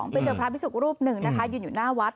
ไปเจอพระพิสุกรูปหนึ่งนะคะยืนอยู่หน้าวัด